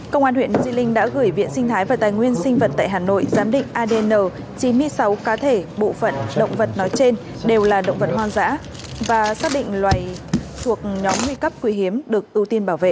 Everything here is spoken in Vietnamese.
công an huyện di linh đã gửi viện sinh thái và tài nguyên sinh vật tại hà nội giám định adn chín mươi sáu cá thể bộ phận động vật nói trên đều là động vật hoang dã và xác định loài thuộc nhóm nguy cấp quý hiếm được ưu tiên bảo vệ